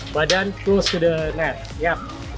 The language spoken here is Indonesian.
badan dekat dengan tangannya